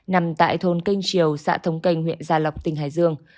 nằm tại thôn kênh triều xã thống kênh huyện gia lộc tỉnh hải dương